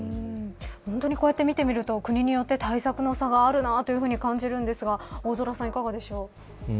こうやって見てみると国によって対策の差があるなと感じますが大空さんいかがでしょう。